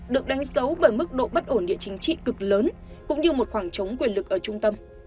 được đánh dấu bởi mức độ bất ổn địa chính trị cực lớn cũng như một khoảng trống quyền lực ở trung tâm